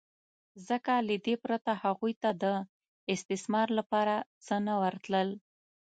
ځکه له دې پرته هغوی ته د استثمار لپاره څه نه ورتلل